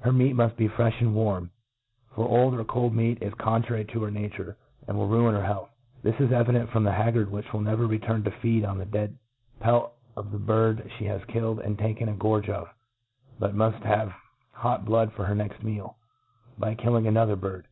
Her meet muft bie frcfh and warm j for old or cold meat is contrary to her nature, and will cuin her health. This is evident from the haggard, which never returns to feed on the dead pelt of the bird (he has killed and taken a gorge of, but muft have hot blood for her next meal, by kil ' ling another bird.